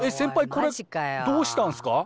これどうしたんすか？